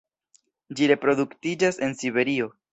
Ĝi reproduktiĝas en Siberio.